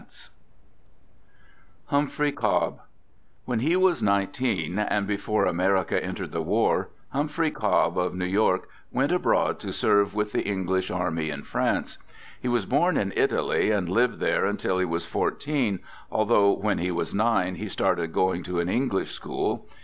Digitized by HUMPHREY COBB When he was nineteen, and before America entered the war, Humphrey Cobb, of New York, went abroad to serve with the English army in France. He was born in Italy and lived there until he was fourteen, although when he was nine he started go ing to an English school.